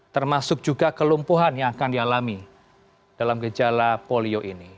termasuk juga kelumpuhan yang akan dialami dalam gejala polio ini